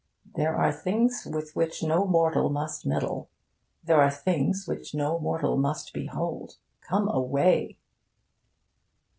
There are things with which no mortal must meddle. There are things which no mortal must behold. Come away!